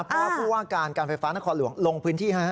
เพราะว่าผู้ว่าการการไฟฟ้านครหลวงลงพื้นที่